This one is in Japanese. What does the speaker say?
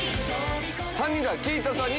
谷田圭太さんに。